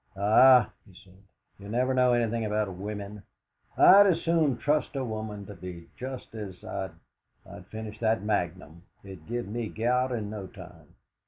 "Ah!" he said; "you never know anything about women. I'd as soon trust a woman to be just as I'd I'd finish that magnum; it'd give me gout in no time."